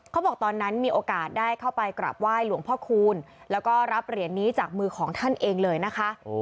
ตอนนั้นมีโอกาสได้เข้าไปกราบไหว้หลวงพ่อคูณแล้วก็รับเหรียญนี้จากมือของท่านเองเลยนะคะ